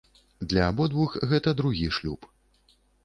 Для абодвух гэта другі шлюб.